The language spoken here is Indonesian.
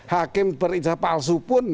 hakim berijasa palsu pun